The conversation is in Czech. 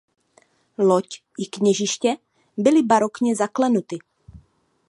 Loď i kněžiště byly barokně zaklenuty.